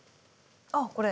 あっこれ。